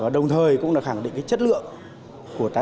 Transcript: đồng thời cũng là khẳng định chất lượng của trái cây việt nam